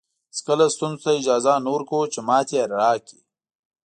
هېڅکله ستونزو ته اجازه نه ورکوو چې ماتې راکړي.